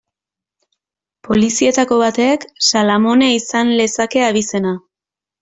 Polizietako batek Salamone izan lezake abizena.